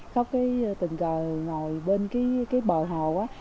khóc cái tình cờ ngồi bên cái bờ hồ á